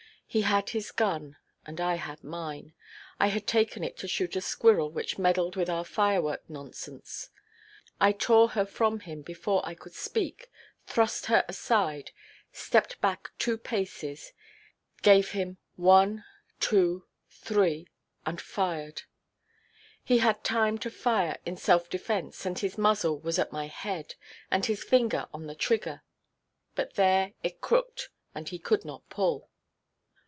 He had his gun, and I had mine; I had taken it to shoot a squirrel which meddled with our firework nonsense. I tore her from him before I could speak, thrust her aside, stepped back two paces, gave him 'one, two, three,' and fired. He had time to fire in self–defence, and his muzzle was at my head, and his finger on the trigger; but there it crooked, and he could not pull.